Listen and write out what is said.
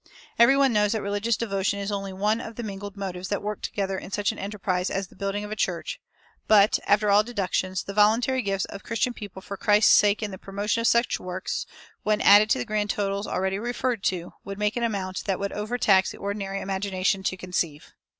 Every one knows that religious devotion is only one of the mingled motives that work together in such an enterprise as the building of a church; but, after all deductions, the voluntary gifts of Christian people for Christ's sake in the promotion of such works, when added to the grand totals already referred to, would make an amount that would overtax the ordinary imagination to conceive.